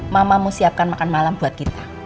mamamu siapkan makan malam buat kita